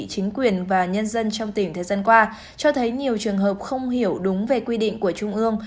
chính quyền và nhân dân trong tỉnh thời gian qua cho thấy nhiều trường hợp không hiểu đúng về quy định của trung ương